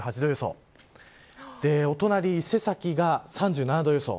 そして、お隣伊勢崎が３７度予想。